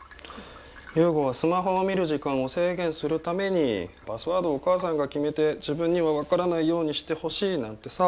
優吾はスマホを見る時間を制限するためにパスワードをお母さんが決めて自分には分からないようにしてほしいなんてさ。